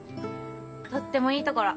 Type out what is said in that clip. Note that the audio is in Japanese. とってもいい所。